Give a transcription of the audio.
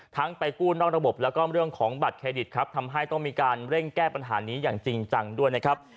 ไปกู้นอกระบบแล้วก็เรื่องของบัตรเครดิตครับทำให้ต้องมีการเร่งแก้ปัญหานี้อย่างจริงจังด้วยนะครับ